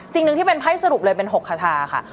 สิ่งหนึ่งที่เป็นไพ่สรุปเลยเป็น๖คาทาค่ะ